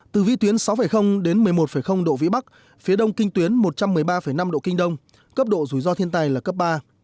từ vĩ tuyến sáu đến một mươi một độ vĩ bắc phía đông kinh tuyến một trăm một mươi ba năm độ kinh đông cấp độ rủi ro thiên tai là cấp ba